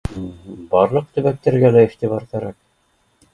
Барлыҡ төбәктәргә лә иғтибар кәрәк